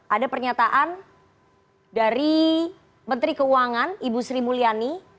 ada pernyataan dari menteri keuangan ibu sri mulyani